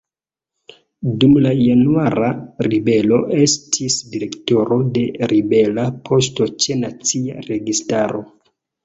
Dum la Januara ribelo estis direktoro de ribela poŝto ĉe Nacia Registaro.